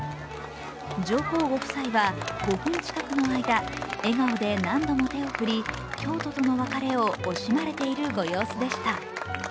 上皇ご夫妻は５分近くの間、笑顔で何度も手を振り京都との別れを惜しまれているご様子でした。